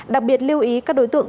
đặc biệt lưu ý các đối tượng